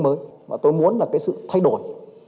mới mà tôi muốn là cái sự thay đổi